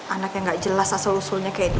anak enggak jelas asal lusuhnya kayak dateng